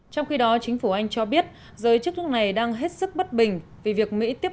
trong khi đó chính phủ anh cho biết giới chức nước này đang hết sức bất bình vì việc mỹ tiếp